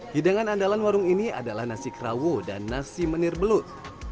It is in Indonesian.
hidangan andalan warung ini adalah nasi krawwo dan nasi menir belut